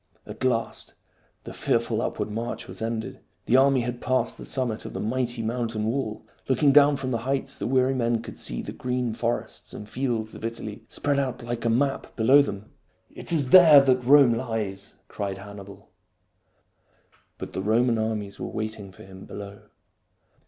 At last the fearful upward march was ended. The army had passed the summit of the mighty mountain wall. Looking down from the heights, the weary men could see the green forests and fields of Italy spread out like a map below them. " It is there that Rome lies !" cried Hannibal. But the Roman armies were waiting for him below.